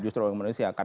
justru orang manusia